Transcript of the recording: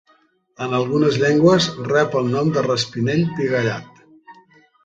En algunes llengües rep el nom de Raspinell pigallat.